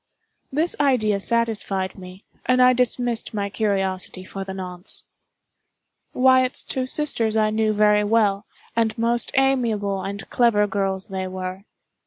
This idea satisfied me, and I dismissed my curiosity for the nonce. Wyatt's two sisters I knew very well, and most amiable and clever girls they were.